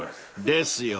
［ですよ